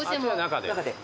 中で。